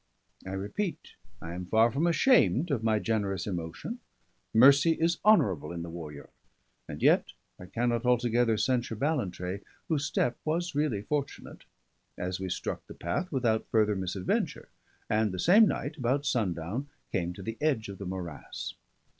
I repeat, I am far from ashamed of my generous emotion; mercy is honourable in the warrior; and yet I cannot altogether censure Ballantrae, whose step was really fortunate, as we struck the path without further misadventure, and the same night, about sundown, came to the edge of the morass.